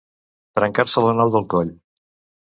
Trencar-se la nou del coll.